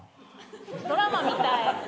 ドラマみたい。